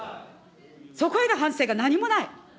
そこへの反省が何もない。